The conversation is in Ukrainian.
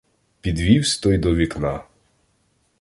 Підвівсь той до вікна.